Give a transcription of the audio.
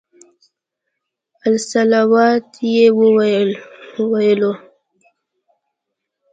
الصلواة یې ویلو.